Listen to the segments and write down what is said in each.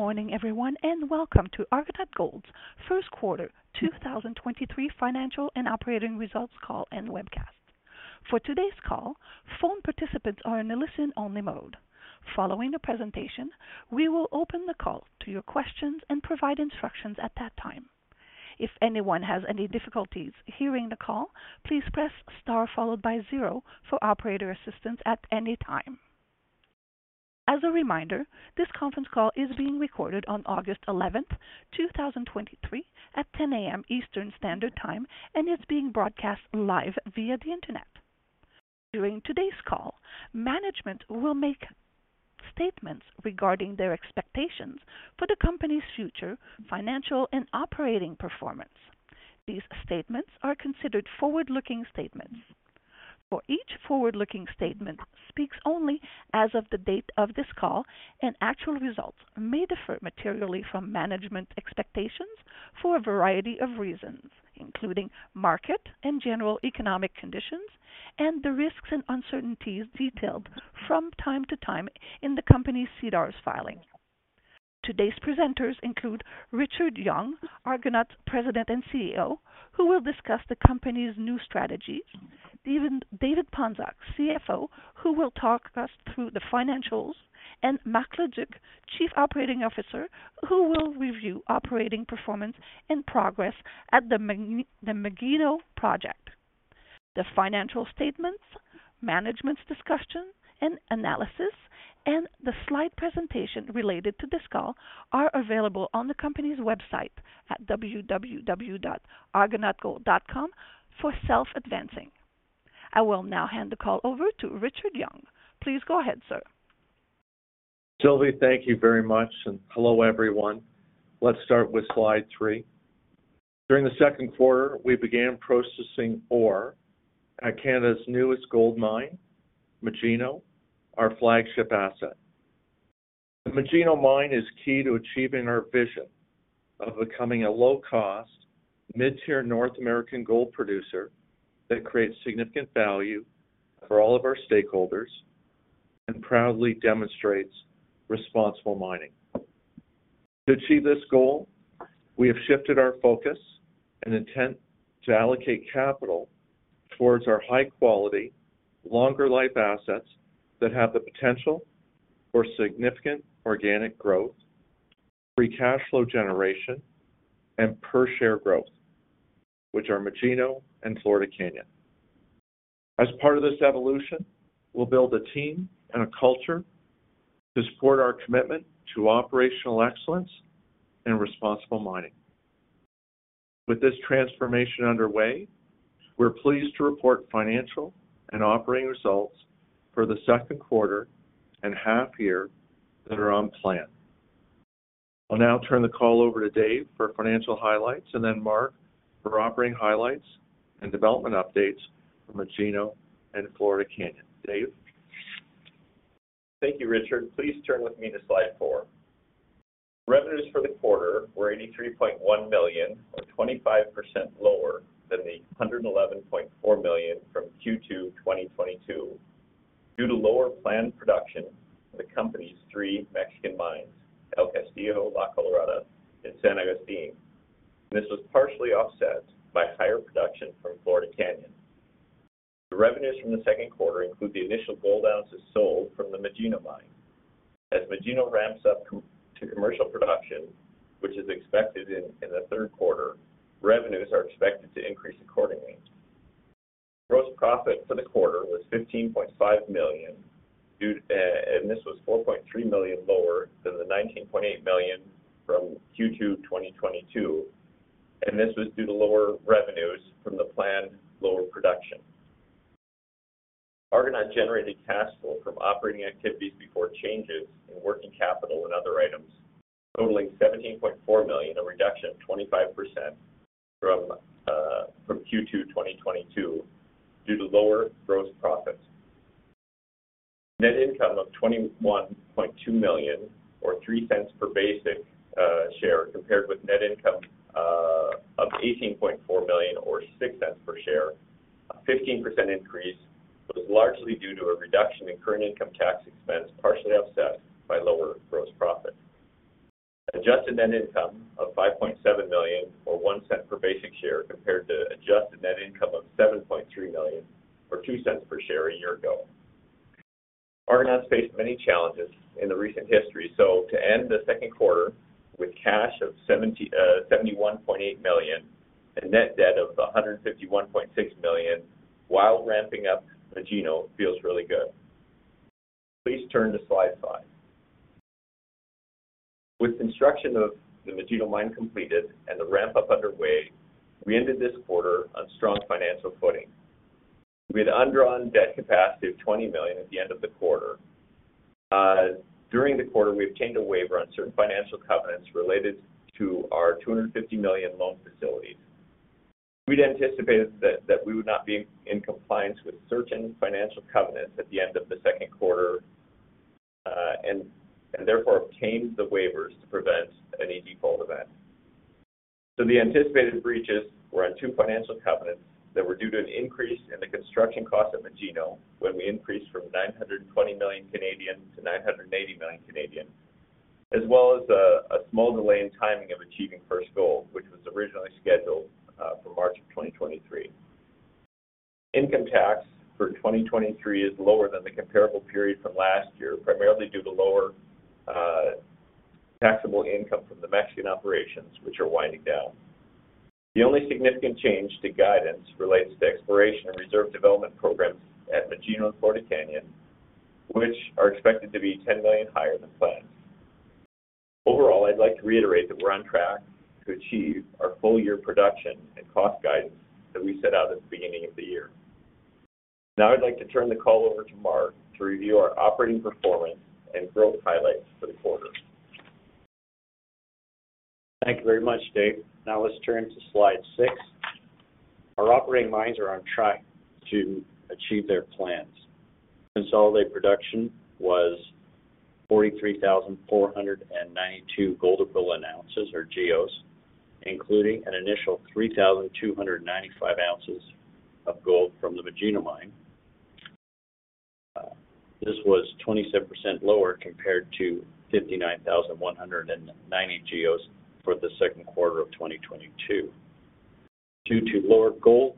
Good morning, everyone, and welcome to Argonaut Gold's Q1 2023 financial and operating results call and webcast. For today's call, phone participants are in a listen-only mode. Following the presentation, we will open the call to your questions and provide instructions at that time. If anyone has any difficulties hearing the call, please press Star followed by 0 for operator assistance at any time. As a reminder, this conference call is being recorded on August 11th, 2023, at 10:00 A.M. Eastern Daylight Time and is being broadcast live via the internet. During today's call, management will make statements regarding their expectations for the company's future financial and operating performance. These statements are considered forward-looking statements. For each forward-looking statement speaks only as of the date of this call, and actual results may differ materially from management expectations for a variety of reasons, including market and general economic conditions, and the risks and uncertainties detailed from time to time in the company's SEDAR's filing. Today's presenters include Richard Young, Argonaut's President and CEO, who will discuss the company's new strategy, David Ponczoch, CFO, who will talk us through the financials, and Marc Leduc, Chief Operating Officer, who will review operating performance and progress at the Magino Project. The financial statements, management's discussion and analysis, and the slide presentation related to this call are available on the company's website at www.argonautgold.com for self-advancing. I will now hand the call over to Richard Young. Please go ahead, sir. Sylvie, thank you very much, and hello, everyone. Let's start with slide three. During the Q2, we began processing ore at Canada's newest gold mine, Magino, our flagship asset. The Magino mine is key to achieving our vision of becoming a low-cost, mid-tier North American gold producer that creates significant value for all of our stakeholders and proudly demonstrates responsible mining. To achieve this goal, we have shifted our focus and intent to allocate capital towards our high-quality, longer-life assets that have the potential for significant organic growth, free cash flow generation, and per share growth, which are Magino and Florida Canyon. As part of this evolution, we'll build a team and a culture to support our commitment to operational excellence and responsible mining. With this transformation underway, we're pleased to report financial and operating results for the Q2 and half year that are on plan. I'll now turn the call over to Dave for financial highlights, and then Mark for operating highlights and development updates for Magino and Florida Canyon. Dave? Thank you, Richard. Please turn with me to slide 4. Revenues for the quarter were $83.1 million, or 25% lower than the $111.4 million from Q2 2022, due to lower planned production in the company's 3 Mexican mines, El Castillo, La Colorada, and San Agustin. This was partially offset by higher production from Florida Canyon. The revenues from the Q2 include the initial gold ounces sold from the Magino mine. As Magino ramps up to commercial production, which is expected in the Q3, revenues are expected to increase accordingly. Gross profit for the quarter was $15.5 million due. This was $4.3 million lower than the $19.8 million from Q2 2022, and this was due to lower revenues from the planned lower production. Argonaut generated cash flow from operating activities before changes in working capital and other items, totaling $17.4 million, a reduction of 25% from Q2, 2022, due to lower gross profits. Net income of $21.2 million or $0.03 per basic share, compared with net income of $18.4 million or $0.06 per share. A 15% increase was largely due to a reduction in current income tax expense, partially offset by lower gross profit. Adjusted net income of $5.7 million or $0.01 per basic share, compared to adjusted net income of $7.3 million or $0.02 per share a year ago. Argonaut's faced many challenges in the recent history, so to end the Q2 with cash of $71.8 million and net debt of $151.6 million while ramping up Magino feels really good. Please turn to slide five. With construction of the Magino mine completed and the ramp-up underway, we ended this quarter on strong financial footing. We had undrawn debt capacity of $20 million at the end of the quarter. During the quarter, we obtained a waiver on certain financial covenants related to our $250 million loan facility. We'd anticipated that, that we would not be in compliance with certain financial covenants at the end of the Q2, and therefore, obtained the waivers to prevent any default events. The anticipated breaches were on two financial covenants that were due to an increase in the construction cost at Magino, when we increased from 920 million to 980 million, as well as a small delay in timing of achieving first gold, which was originally scheduled for March of 2023. Income tax for 2023 is lower than the comparable period from last year, primarily due to lower taxable income from the Mexican operations, which are winding down. The only significant change to guidance relates to exploration and reserve development programs at Magino and Florida Canyon, which are expected to be 10 million higher than planned. Overall, I'd like to reiterate that we're on track to achieve our full-year production and cost guidance that we set out at the beginning of the year. Now, I'd like to turn the call over to Mark to review our operating performance and growth highlights for the quarter. Thank you very much, Dave. Let's turn to slide 6. Our operating mines are on track to achieve their plans. Consolidated production was 43,492 gold equivalent ounces, or GEOs, including an initial 3,295 ounces of gold from the Magino mine. This was 27% lower compared to 59,190 GEOs for the Q2 of 2022. Due to lower gold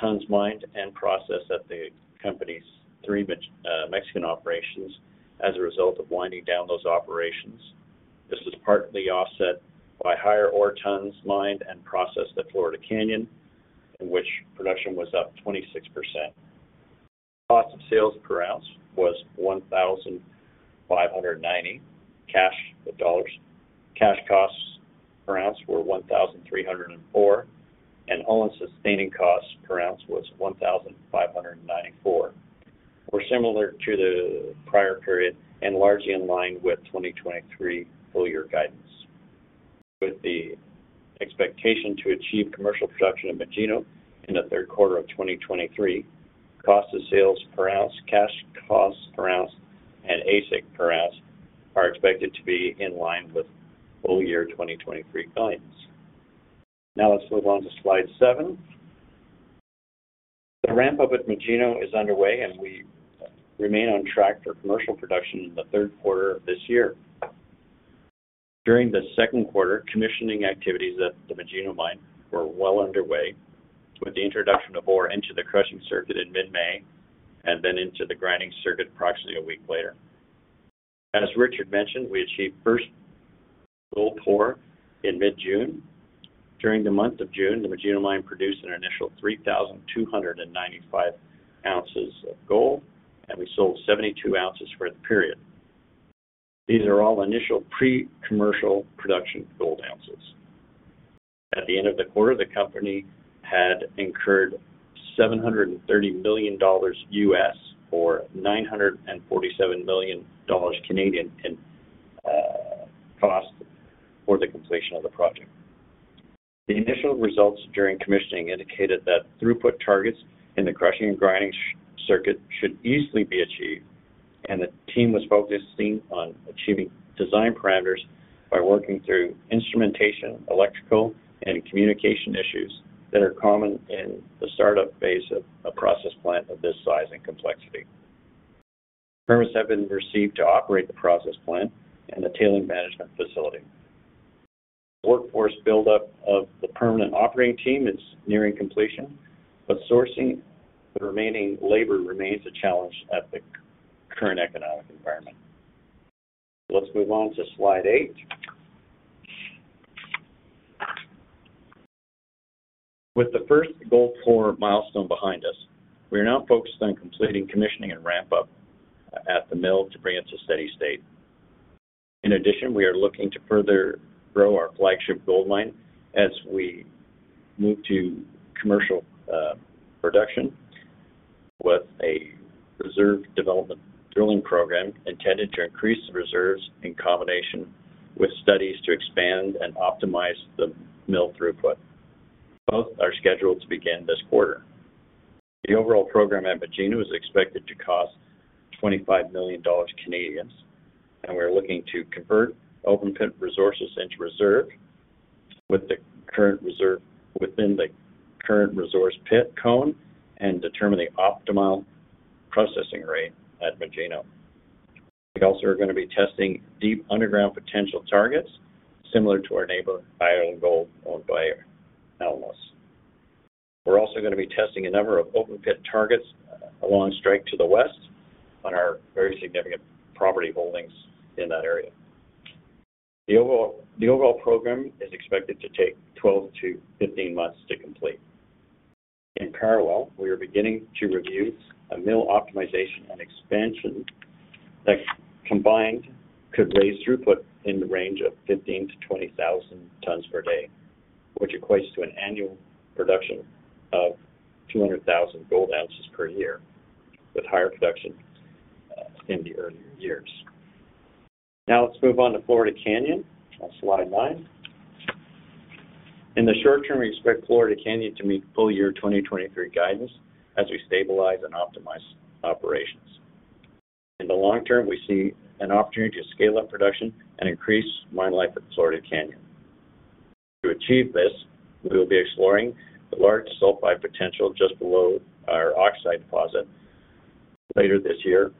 tons mined and processed at the company's three Mexican operations as a result of winding down those operations. This is partly offset by higher ore tons mined and processed at Florida Canyon, in which production was up 26%. Cost of sales per ounce was $1,590. Cash costs per ounce were $1,304, and all-in sustaining costs per ounce was $1,594. Were similar to the prior period and largely in line with 2023 full-year guidance. With the expectation to achieve commercial production at Magino in the Q3 of 2023, cost of sales per ounce, cash costs per ounce, and AISC per ounce are expected to be in line with full year 2023 guidance. Now, let's move on to slide 7. The ramp-up at Magino is underway, and we remain on track for commercial production in the Q3 of this year. During the Q2, commissioning activities at the Magino mine were well underway, with the introduction of ore into the crushing circuit in mid-May, and then into the grinding circuit approximately a week later. As Richard mentioned, we achieved first gold pour in mid-June. During the month of June, the Magino mine produced an initial 3,295 ounces of gold, and we sold 72 ounces for the period. These are all initial pre-commercial production gold ounces. At the end of the quarter, the company had incurred $730 million, or CAD 947 million in cost for the completion of the project. The initial results during commissioning indicated that throughput targets in the crushing and grinding circuit should easily be achieved, and the team was focusing on achieving design parameters by working through instrumentation, electrical, and communication issues that are common in the startup phase of a process plant of this size and complexity. Permits have been received to operate the process plant and the tailings management facility. Workforce buildup of the permanent operating team is nearing completion, but sourcing the remaining labor remains a challenge at the current economic environment. Let's move on to slide 8. With the first gold pour milestone behind us, we are now focused on completing commissioning and ramp-up at the mill to bring it to steady state. In addition, we are looking to further grow our flagship gold mine as we move to commercial production with a reserve development drilling program intended to increase the reserves in combination with studies to expand and optimize the mill throughput. Both are scheduled to begin this quarter. The overall program at Magino is expected to cost 25 million dollars, and we're looking to convert open pit resources into reserve within the current resource pit cone, and determine the optimal processing rate at Magino. We also are gonna be testing deep underground potential targets, similar to our neighbor, Island Gold, owned by Alamos. We're also gonna be testing a number of open-pit targets, along strike to the west on our very significant property holdings in that area. The overall, the overall program is expected to take 12-15 months to complete. In parallel, we are beginning to review a mill optimization and expansion that, combined, could raise throughput in the range of 15,000-20,000 tons per day, which equates to an annual production of 200,000 gold ounces per year, with higher production in the earlier years. Now, let's move on to Florida Canyon, on slide 9. In the short term, we expect Florida Canyon to meet full year 2023 guidance as we stabilize and optimize operations.... In the long term, we see an opportunity to scale up production and increase mine life at Florida Canyon. To achieve this, we will be exploring the large sulfide potential just below our oxide deposit later this year,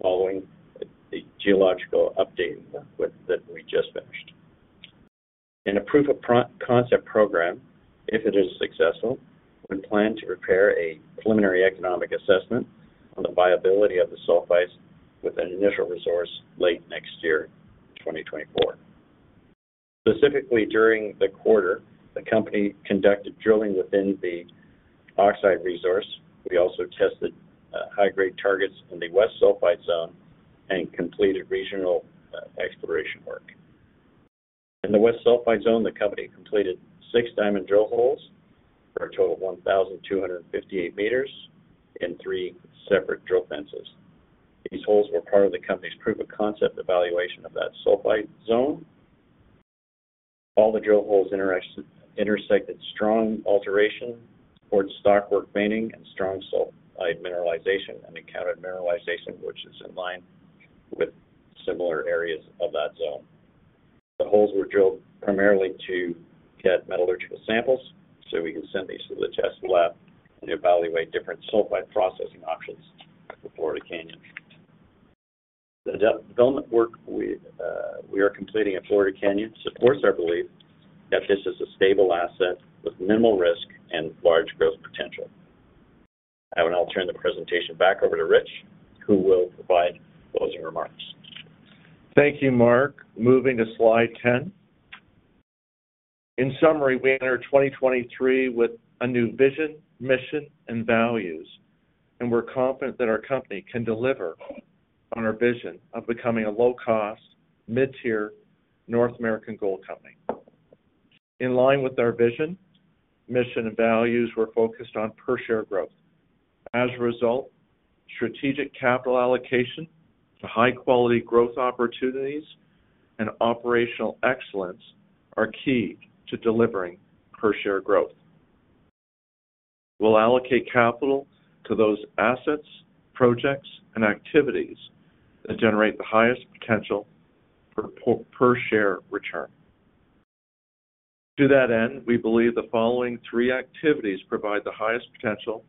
following the geological update that we just finished. In a proof of concept program, if it is successful, we plan to prepare a preliminary economic assessment on the viability of the sulfides with an initial resource late next year, 2024. Specifically during the quarter, the company conducted drilling within the oxide resource. We also tested high-grade targets in the West Sulfide Zone and completed regional exploration work. In the West Sulfide Zone, the company completed six diamond drill holes for a total of 1,258 meters in three separate drill fences. These holes were part of the company's proof of concept evaluation of that sulfide zone. All the drill holes intersected strong alteration towards stockwork veining and strong sulfide mineralization, and encountered mineralization which is in line with similar areas of that zone. The holes were drilled primarily to get metallurgical samples, so we can send these to the test lab and evaluate different sulfide processing options for Florida Canyon. The development work we are completing at Florida Canyon supports our belief that this is a stable asset with minimal risk and large growth potential. I will now turn the presentation back over to Rich, who will provide closing remarks. Thank you, Mark. Moving to slide 10. In summary, we entered 2023 with a new vision, mission, and values, and we're confident that our company can deliver on our vision of becoming a low-cost, mid-tier North American gold company. In line with our vision, mission, and values, we're focused on per share growth. As a result, strategic capital allocation to high-quality growth opportunities and operational excellence are key to delivering per share growth. We'll allocate capital to those assets, projects, and activities that generate the highest potential for per share return. To that end, we believe the following three activities provide the highest potential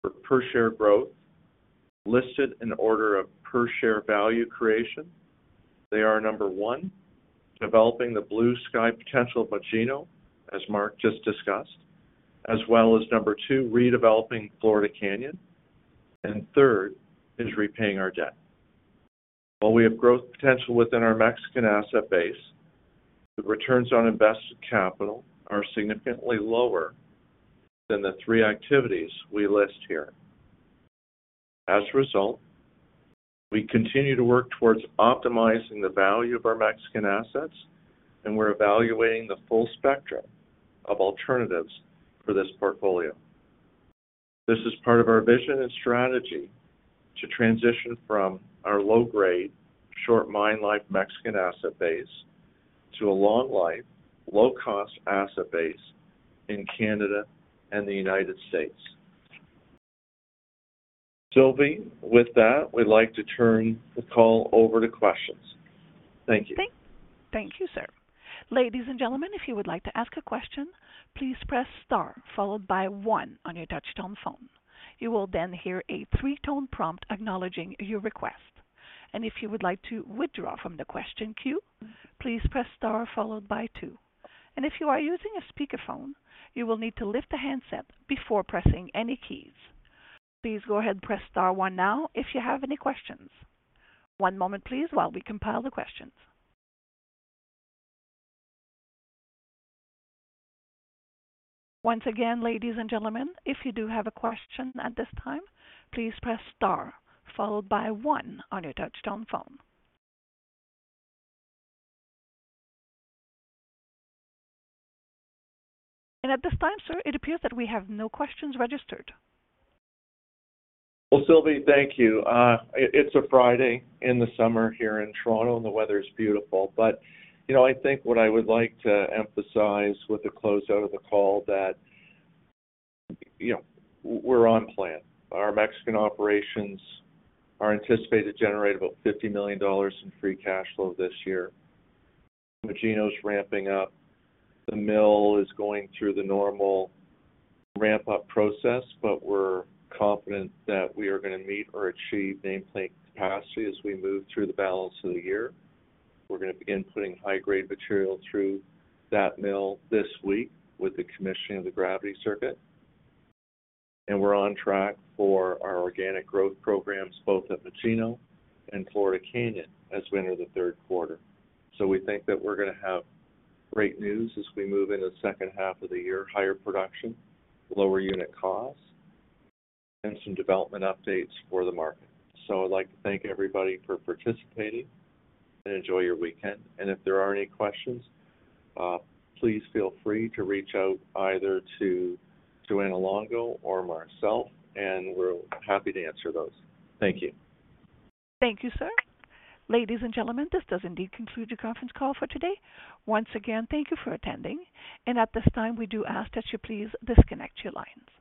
for per share growth, listed in order of per share value creation. They are, 1, developing the blue sky potential of Magino, as Mark just discussed, as well as 2, redeveloping Florida Canyon, and third is repaying our debt. While we have growth potential within our Mexican asset base, the returns on invested capital are significantly lower than the three activities we list here. As a result, we continue to work towards optimizing the value of our Mexican assets, and we're evaluating the full spectrum of alternatives for this portfolio. This is part of our vision and strategy to transition from our low-grade, short mine life Mexican asset base to a long life, low-cost asset base in Canada and the United States. Sylvie, with that, we'd like to turn the call over to questions. Thank you. Thank you, sir. Ladies and gentlemen, if you would like to ask a question, please press star followed by one on your touchtone phone. You will then hear a 3-tone prompt acknowledging your request. If you would like to withdraw from the question queue, please press star followed by two. If you are using a speakerphone, you will need to lift the handset before pressing any keys. Please go ahead and press star one now if you have any questions. 1 moment please while we compile the questions. Once again, ladies and gentlemen, if you do have a question at this time, please press star followed by one on your touchtone phone. At this time, sir, it appears that we have no questions registered. Well, Sylvie, thank you. It's a Friday in the summer here in Toronto, and the weather is beautiful. You know, I think what I would like to emphasize with the closeout of the call that, you know, we're on plan. Our Mexican operations are anticipated to generate about $50 million in free cash flow this year. Magino's ramping up. The mill is going through the normal ramp-up process, but we're confident that we are gonna meet or achieve nameplate capacity as we move through the balance of the year. We're gonna begin putting high-grade material through that mill this week with the commissioning of the gravity circuit. We're on track for our organic growth programs, both at Magino and Florida Canyon, as we enter the Q3. We think that we're gonna have great news as we move in the second half of the year, higher production, lower unit costs, and some development updates for the market. I'd like to thank everybody for participating and enjoy your weekend. If there are any questions, please feel free to reach out either to Joanna Longo or myself, and we're happy to answer those. Thank you. Thank you, sir. Ladies and gentlemen, this does indeed conclude your conference call for today. Once again, thank you for attending, and at this time, we do ask that you please disconnect your lines.